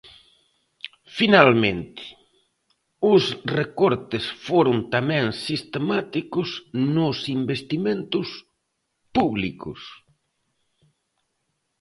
Finalmente, os recortes foron tamén sistemáticos nos investimentos públicos.